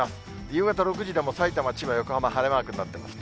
夕方６時でもさいたま、千葉、横浜、晴れマークになってます。